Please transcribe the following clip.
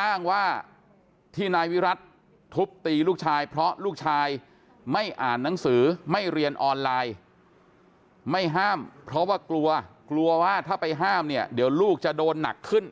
อ้างว่าที่นายวิรัติทุบตีลูกชายเพราะลูกชายไม่อ่านหนังสือไม่เรียนออนไลน์ไม่ห้ามเพราะว่ากลัวกลัวว่าถ้าไปห้ามเนี่ยเดี๋ยวลูกจะโดนหนักขึ้น